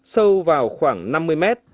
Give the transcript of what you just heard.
sâu vào khoảng năm mươi mét